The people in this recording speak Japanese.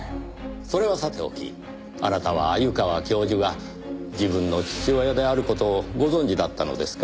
それはさておきあなたは鮎川教授が自分の父親である事をご存じだったのですか？